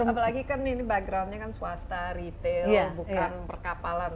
apalagi kan ini backgroundnya kan swasta retail bukan perkapalan